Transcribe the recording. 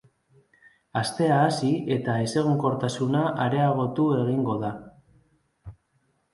Astea hasi eta ezegonkortasuna areagotu egingo da.